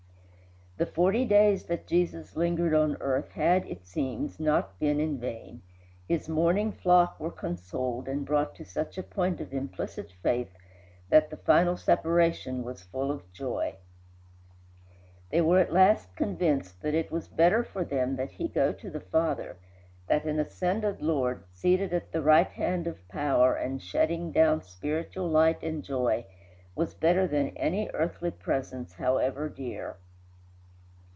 The forty days that Jesus lingered on earth had, it seems, not been in vain. His mourning flock were consoled and brought to such a point of implicit faith that the final separation was full of joy. They were at last convinced that it was better for them that he go to the Father that an ascended Lord, seated at the right hand of power and shedding down spiritual light and joy, was better than any earthly presence, however dear.